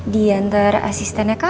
diantar asistennya kaal